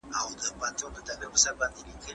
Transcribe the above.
پولیسو د پېښې لیدونکي لټول.